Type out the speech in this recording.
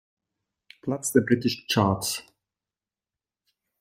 Platz der britischen Charts.